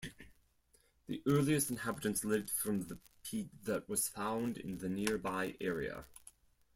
The earliest inhabitants lived from the peat that was found in the nearby area.